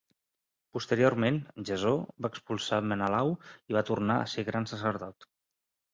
Posteriorment, Jasó va expulsar Menelau i va tornar a ser gran sacerdot.